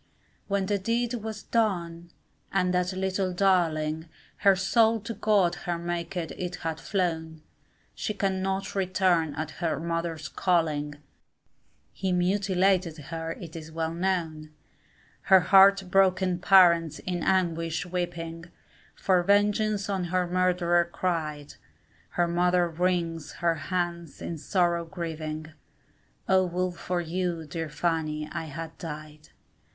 When the deed was done, and that little darling, Her soul to God her Maker it had flown, She cannot return at her mother's calling, He mutilated her it is well known; Her heart broken parents in anguish weeping, For vengeance on her murderer cried, Her mother wrings her hands in sorrow grieving, Oh would for you, dear Fanny, I had died.